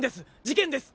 事件です！